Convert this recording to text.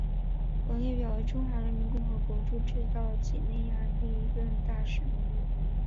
本列表为中华人民共和国驻赤道几内亚历任大使名录。